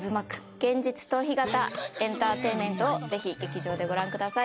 現実逃避型エンターテインメントをぜひ劇場でご覧ください